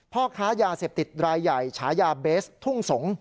พ่อค้ายาเสพติดรายใหญ่ฉายาเบสทุ่งสงศ์